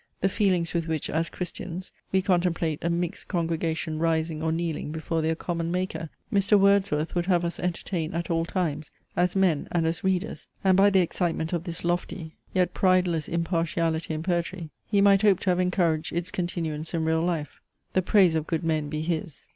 The feelings with which, as Christians, we contemplate a mixed congregation rising or kneeling before their common Maker, Mr. Wordsworth would have us entertain at all times, as men, and as readers; and by the excitement of this lofty, yet prideless impartiality in poetry, he might hope to have encouraged its continuance in real life. The praise of good men be his!